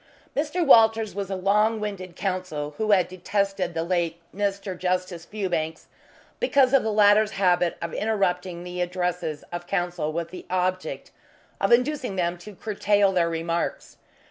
Mr. Walters was a long winded Counsel who had detested the late Mr. Justice Fewbanks because of the latter's habit of interrupting the addresses of Counsel with the object of inducing them to curtail their remarks.